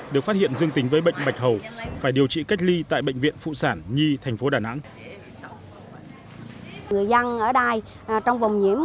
được phát hiện dương tính với bệnh bạch hầu phải điều trị cách ly tại bệnh viện phụ sản nhi thành phố đà nẵng